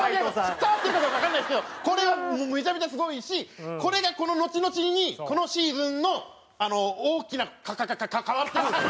伝わってるかどうかわかんないですけどこれはめちゃめちゃすごいしこれが後々にこのシーズンの大きなかかかかか変わってくるんですよ。